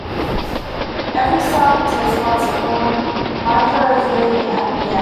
Every cell in the taste bud forms microvilli at the ends.